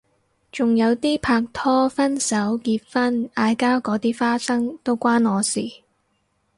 仲有啲拍拖分手結婚嗌交嗰啲花生都關我事